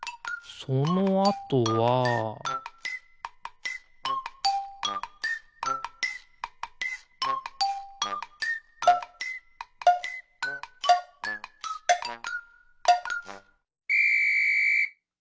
そのあとはピッ！